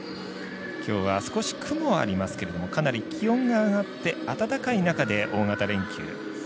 今日は、少し雲はありますけどかなり気温が上がって暖かい中で大型連休。